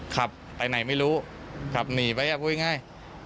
ขับไปไหนไม่รู้ขับหนีไปพูดง่าย